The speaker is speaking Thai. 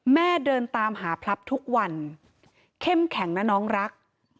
เดินตามหาพลับทุกวันเข้มแข็งนะน้องรัก